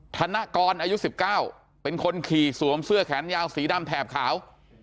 ธนกรอายุ๑๙เป็นคนขี่สวมเสื้อแขนยาวสีดำแถบขาว